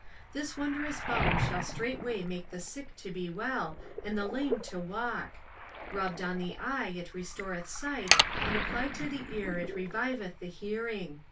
This wonderous balm shall straightway make the sick to be well and the lame to walk. Rubbed on the eye it restoreth sight and applied to the ear it reviveth the hearing.